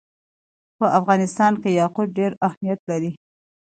په افغانستان کې یاقوت ډېر اهمیت لري.